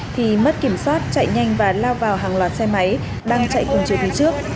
thì mất kiểm soát chạy nhanh và lao vào hàng loạt xe máy đang chạy cùng chiều phía trước